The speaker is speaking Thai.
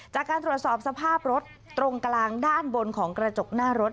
จากการตรวจสอบสภาพรถตรงกลางด้านบนของกระจกหน้ารถ